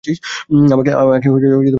আমাকে এককাপ কফি দাও।